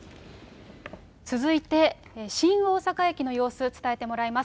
続いて新大阪駅の様子、伝えてもらいます。